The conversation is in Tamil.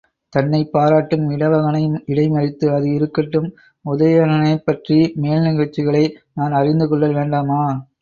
தன்னைப் பாராட்டும் இடவகனை இடைமறித்து, அது இருக்கட்டும், உதயணனைப் பற்றி மேல்நிகழ்ச்சிகளை நான் அறிந்து கொள்ளல் வேண்டாமா?